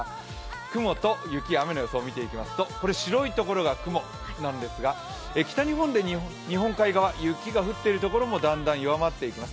雲と雪、雨の予想を見ていきますと白いところが雲なんですが、北日本で日本海側雪が降っている所もだんだん弱まっていきます。